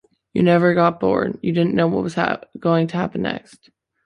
You never got bored - you didn't know what was going to happen next!